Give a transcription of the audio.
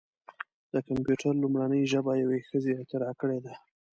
د کمپیوټر لومړنۍ ژبه یوه ښځې اختراع کړې ده.